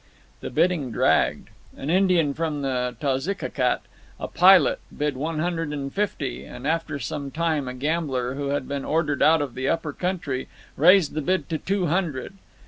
The bidding dragged. An Indian from the Tozikakat, a pilot, bid one hundred and fifty, and after some time a gambler, who had been ordered out of the Upper Country, raised the bid to two hundred.